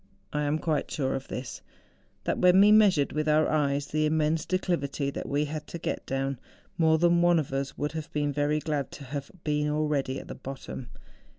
I am quite sure of this,—that when we measured with our eyes the immense de¬ clivity that we had to get down, more than one of us would have been very glad to have been already at the bottom.